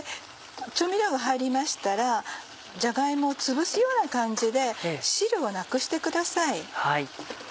調味料が入りましたらじゃが芋をつぶすような感じで汁をなくしてください。